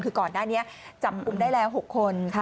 คือก่อนหน้านี้จับกุมได้แล้ว๖คน